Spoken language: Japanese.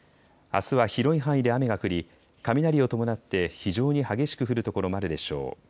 あすは広い範囲で雨が降り雷を伴って非常に激しく降る所があるでしょう。